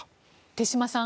手嶋さん